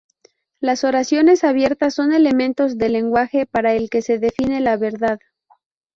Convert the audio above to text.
Las oraciones abiertas son elementos del lenguaje para el que se define la verdad.